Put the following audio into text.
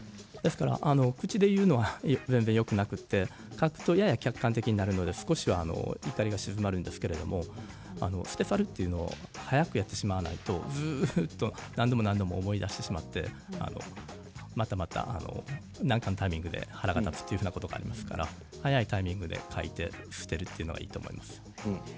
ですから口で言うのは全然よくなくて書くとやや客観的になるので少しは怒りが鎮まるんですけど捨て去るというのを早くやってしまわないとずっと何度も何度も思い出してしまってまたまた何かのタイミングで腹が立つというようなことがありますから早いタイミングで書いて捨てるというのがいいと思います。